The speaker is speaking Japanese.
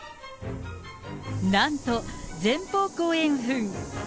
なんと前方後円墳。